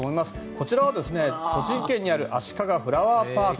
こちらは栃木県にあるあしかがフラワーパーク。